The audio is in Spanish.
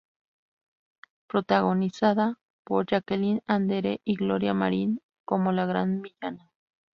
Protagonizada por Jacqueline Andere y Gloria Marín como la gran villana.